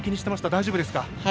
大丈夫ですか？